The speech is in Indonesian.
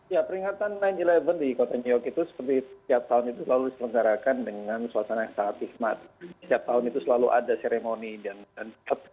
ya peringatan sembilan sebelas di kota new york itu seperti setiap tahun itu selalu diselenggarakan dengan suasana yang sangat